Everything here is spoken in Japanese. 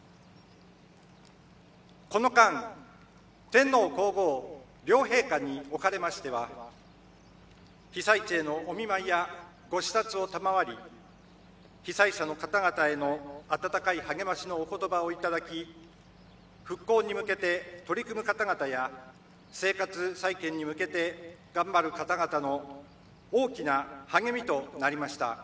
この間天皇皇后両陛下におかれましては被災地へのお見舞いやご視察を賜り被災者の方々への温かい励ましのおことばを頂き復興に向けて取り組む方々や生活再建に向けて頑張る方々の大きな励みとなりました。